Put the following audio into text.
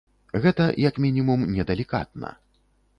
Гэта, як мінімум, не далікатна.